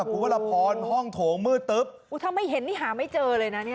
คุณวรพรห้องโถงมืดตึ๊บอุ้ยถ้าไม่เห็นนี่หาไม่เจอเลยนะเนี่ย